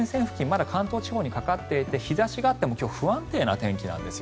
まだ関東地方にかかっていて日差しがあっても今日は不安定な天気なんです。